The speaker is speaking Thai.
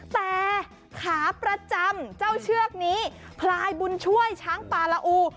แต่ขาประจำเจ้าเชือกนี้พลายบุญช่วยช้างปลาละอู